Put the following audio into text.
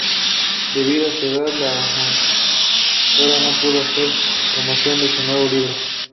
Debido a su edad, la autora no pudo hacer promoción de su nuevo libro.